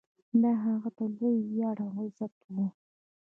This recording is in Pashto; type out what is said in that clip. دا هغه ته لوی ویاړ او عزت و.